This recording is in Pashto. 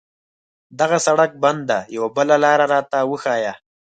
دغه سړک بند ده، یوه بله لار راته وښایه.